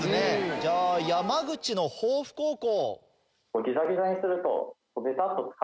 じゃあ山口の防府高校。